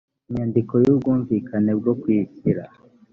inyandiko y ubwumvikane bwo kwishyira